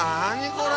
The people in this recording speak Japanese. これ。